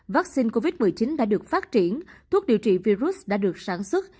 vaccine covid một mươi chín đã được phát triển thuốc điều trị virus đã được sản xuất